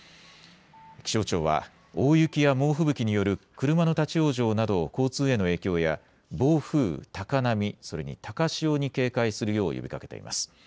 気象庁は大雪や猛吹雪による車の立往生など交通への影響や暴風、高波それに高潮に警戒するよう呼びかけています。